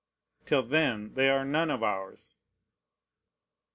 Till then they are none of ours.